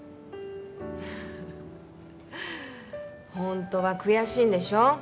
ホントは悔しいんでしょ？